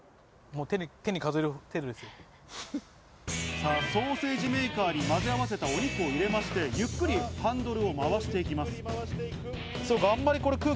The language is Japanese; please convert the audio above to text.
さぁ、ソーセージメーカーに混ぜ合わせたお肉を入れまして、ゆっくりハンドルを回していきます。